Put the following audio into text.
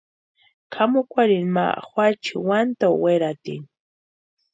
Kʼamukwarini ma juachi Uantoo weratini.